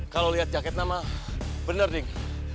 kalau liat jaket nama bener ding